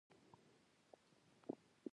لار ښوونه